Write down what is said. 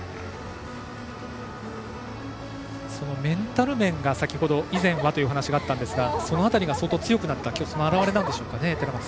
そのメンタル面が、先ほど以前はという話がありましたがその辺りが、相当強くなった表れなんでしょうか。